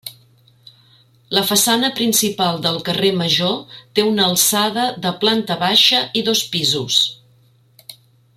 La façana principal del carrer Major té una alçada de planta baixa i dos pisos.